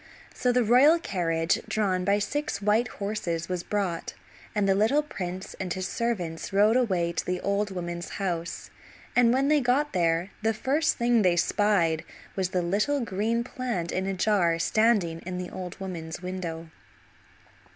So the royal carriage drawn by six white horses was brought, and the little prince and his servants rode away to the old woman's house, and when they got there the first thing they spied was the little green plant in a jar standing in the old woman's window.